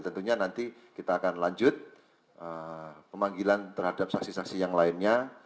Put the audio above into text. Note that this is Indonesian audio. tentunya nanti kita akan lanjut pemanggilan terhadap saksi saksi yang lainnya